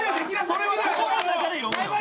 それは心の中で読めよ。